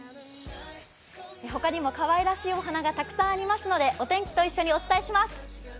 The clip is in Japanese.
ほかにもかわいらしいものがたくさんありますので、お天気と一緒にお伝えします。